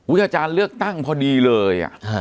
อาจารย์เลือกตั้งพอดีเลย